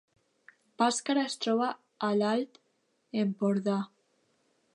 Bàscara es troba a l’Alt Empordà